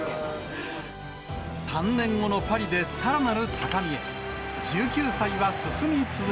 ３年後のパリでさらなる高みへ。